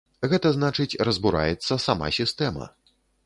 Гэта значыць, разбураецца сама сістэма.